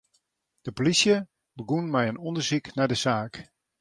De polysje begûn mei in ûndersyk nei de saak.